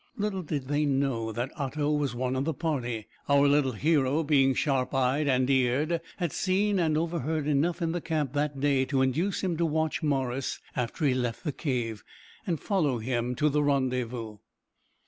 Little did they know that Otto was one of the party! Our little hero, being sharp eyed and eared, had seen and overheard enough in the camp that day to induce him to watch Morris after he left the cave, and follow him to the rendezvous.